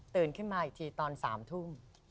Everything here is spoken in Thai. ขึ้นมาอีกทีตอน๓ทุ่ม